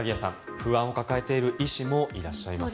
不安を抱えている医師もいらっしゃいます。